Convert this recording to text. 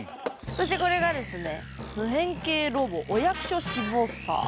そしてこれがですね「無変形ロボお役所シヴォサー」。